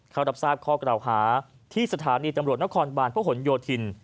เข้ารับทราบข้อกล่าวหาที่สถานีตำรวจนครบาลพระหลโยธิน